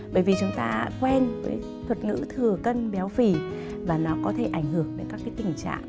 bởi vì chúng ta quen với thuật ngữ thừa cân béo phì và nó có thể ảnh hưởng đến các cái tình trạng